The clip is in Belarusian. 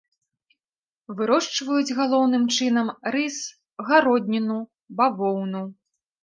Вырошчваюць галоўным чынам рыс, гародніну, бавоўну.